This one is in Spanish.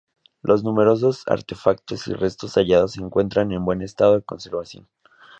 Los numerosos artefactos y restos hallados se encuentran en buen estado de conservación.